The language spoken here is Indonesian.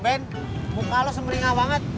ben muka lo semeringah banget